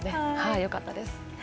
よかったです。